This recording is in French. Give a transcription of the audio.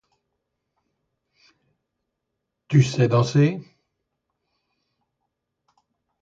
Tu sais danser ?